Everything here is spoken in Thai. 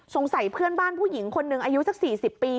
ใส่เพื่อนบ้านผู้หญิงคนหนึ่งอายุสัก๔๐ปี